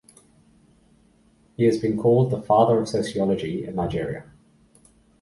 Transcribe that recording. He has been called the "father of sociology in Nigeria".